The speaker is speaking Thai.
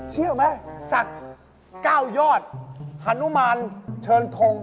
เชื่อไหมสัก๙ยอดหนุมานเชิญทง